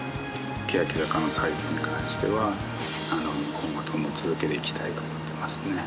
けやき坂の作業に関しては今後とも続けていきたいと思ってますね。